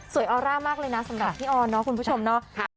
ออร่ามากเลยนะสำหรับพี่ออนเนาะคุณผู้ชมเนาะ